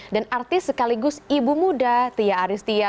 dan artis sekaligus ibu muda tia aris tia